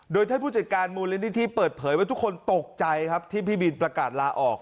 โดยท่านผู้จัดการมูลนิธิเปิดเผยว่าทุกคนตกใจครับที่พี่บินประกาศลาออก